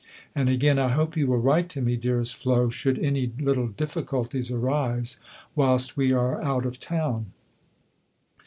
And, again: "I hope you will write to me, dearest Flo, should any little difficulties arise whilst we are out of town."